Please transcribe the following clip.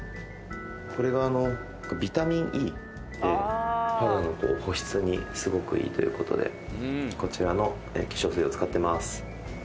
これがビタミンＥで肌の保湿にすごくいいということでこちらの化粧水を使ってます。